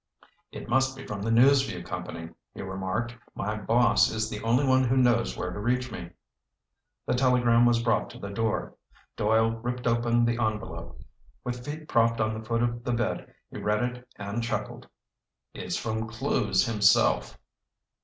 "It must be from the News Vue Company," he remarked. "My boss is the only one who knows where to reach me." The telegram was brought to the door. Doyle ripped open the envelope. With feet propped on the foot of the bed, he read it and chuckled. "It's from Clewes himself."